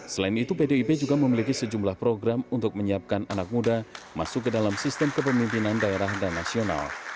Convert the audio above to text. selain itu pdip juga memiliki sejumlah program untuk menyiapkan anak muda masuk ke dalam sistem kepemimpinan daerah dan nasional